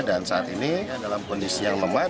dan saat ini dalam kondisi yang lemah